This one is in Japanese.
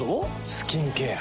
スキンケア。